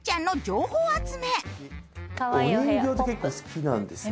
お人形って結構好きなんですね。